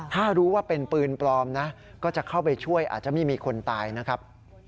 ถ้ารู้ว่าเป็นปืนปลอมนะก็จะเข้าไปช่วยอาจจะไม่มีคนตายนะครับ